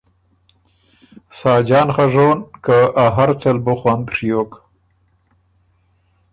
ساجان خه ژون، که ا هر څه ل بُو خوند ڒیوک۔